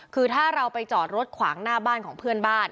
คือถ้าเราไปจอดรถขวางหน้าบ้านของเพื่อนบ้าน